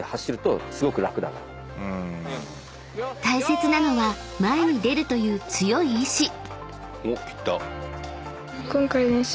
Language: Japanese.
［大切なのは前に出るという強い意志］